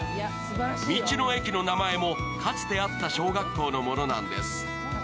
道の駅の前もかつてあった小学校のものなんです。